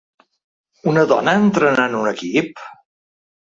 Una dona entrenant un equip?